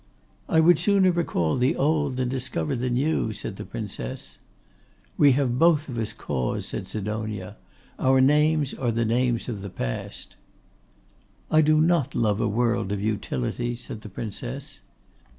'I would sooner recall the old than discover the new,' said the Princess. 'We have both of us cause,' said Sidonia. 'Our names are the names of the Past.' 'I do not love a world of Utility,' said the Princess.